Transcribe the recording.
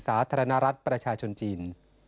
สาธารณรัฐประชาชนจีน